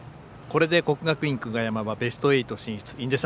これで国学院久我山はベスト８進出。